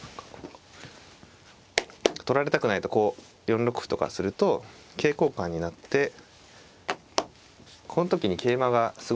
取られたくないとこう４六歩とかすると桂交換になってこの時に桂馬がすごいいい場所に使えるんですね。